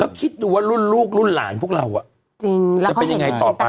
แล้วคิดดูว่ารุ่นลูกรุ่นหลานพวกเราอ่ะจริงแล้วเขาเป็นยังไงต่อไป